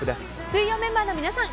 水曜メンバーの皆さん